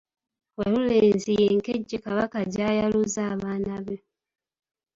Walulenzi y'enkejje Kabaka gy’ayaluza abaana be.